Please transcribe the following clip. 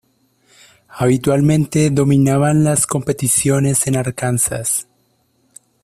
Habitualmente dominaban las competiciones en Arkansas.